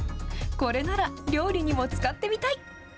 これなら料理にも使ってみたい。